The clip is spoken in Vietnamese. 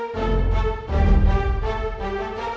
chào mọi người